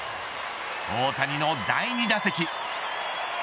大谷の第２打席。